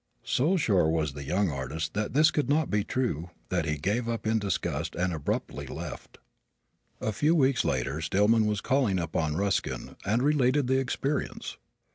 So sure was the young artist that this could not be true that he gave it up in disgust and abruptly left. A few weeks later Stillman was calling upon Ruskin and related the experience.